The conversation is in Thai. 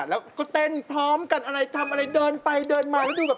แล้วก็เต้นพร้อมกันทำอะไรเดินไปเดินมา